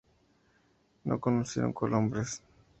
No conocieron Colombres.